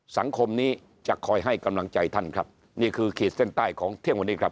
สังคมนี้จะคอยให้กำลังใจท่านครับนี่คือขีดเส้นใต้ของเที่ยงวันนี้ครับ